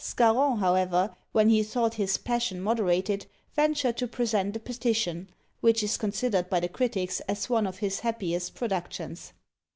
Scarron, however, when he thought his passion moderated, ventured to present a petition, which is considered by the critics as one of his happiest productions.